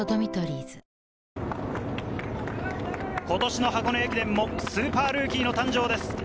今年の箱根駅伝もスーパールーキーの誕生です。